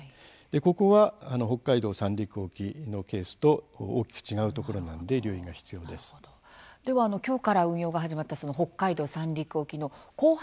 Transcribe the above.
ここは北海道・三陸沖のケースと大きく違うところなので今日から運用が始まった北海道・三陸沖の後発